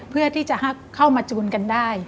เพื่อที่จะเข้ามาจูนกันได้